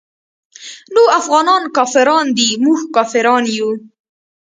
نو افغانان کافران دي موږ کافران يو.